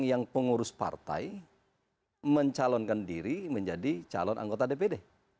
yang pengurus partai mencalonkan diri menjadi calon anggota dpd